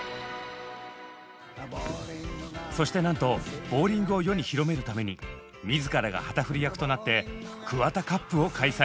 そしてなんとボウリングを世に広めるために自らが旗振り役となってＫＵＷＡＴＡＣＵＰを開催。